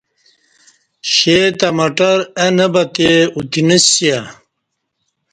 شہ تہ مٹر اں نہ بتے اتینسیا